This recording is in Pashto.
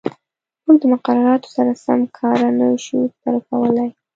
موږ د مقرراتو سره سم سکاره نه شو درکولای.